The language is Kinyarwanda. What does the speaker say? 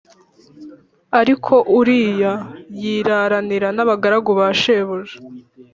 Ariko Uriya yiraranira n’abagaragu ba shebuja